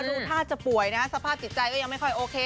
หรือถ้าจะป่วยนะสภาพติดใจก็ยังไม่ค่อยโอเค